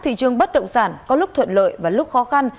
thị trường bất động sản có lúc thuận lợi và lúc khó khăn